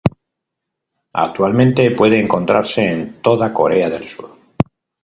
Actualmente puede encontrarse en toda Corea del Sur.